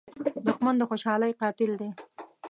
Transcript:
دښمن د خوشحالۍ قاتل دی